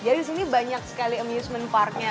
jadi disini banyak sekali amusement parknya